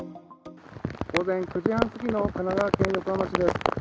午前９時半過ぎの神奈川県横浜市です。